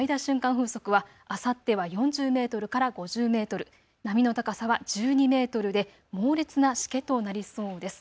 風速は、あさっては４０メートルから５０メートル、波の高さは１２メートルで猛烈なしけとなりそうです。